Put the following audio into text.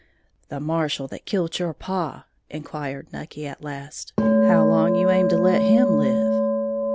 "The marshal that kilt your paw," inquired Nucky, at last, "how long you aim to let him live?"